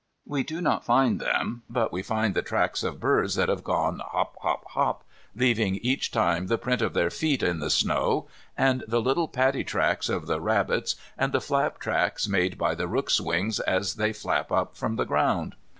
We do not find them, but we find the tracks of birds that have gone hop, hop, hop, leaving each time the print of their feet in the snow, and the little paddy tracks of the rabbits, and the flap tracks made by the rooks' wings as they flag up from the ground.